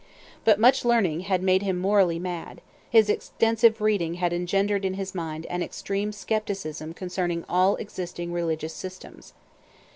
But much learning had made him morally mad; his extensive reading had engendered in his mind an extreme scepticism concerning all existing religious systems.